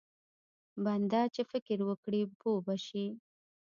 بنده چې فکر وکړي پوه به شي.